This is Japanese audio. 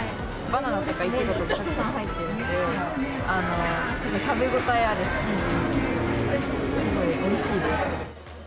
バナナとかイチゴとかがたくさん入ってるので、すごい食べ応えあるし、すごいおいしいです。